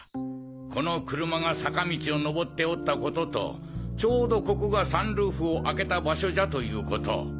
この車が坂道をのぼっておったこととちょうどここがサンルーフを開けた場所じゃということを。